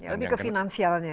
lebih ke finansialnya